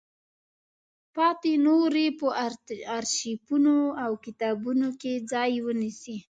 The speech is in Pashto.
پاتې نورې به په ارشیفونو او کتابونو کې ځای ونیسي.